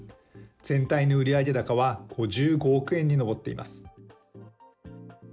全体の売上高は５５億円に上っています。